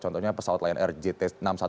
contohnya pesawat lion air jt enam ratus sepuluh